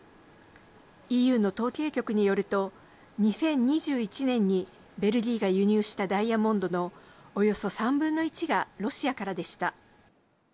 ＥＵの統計局によると２０２１年にベルギーが輸入したダイヤモンドのおよそ３分の１がロシアからでした。